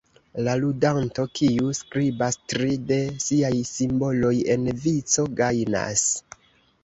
La ludanto, kiu skribas tri de siaj simboloj en vico, gajnas.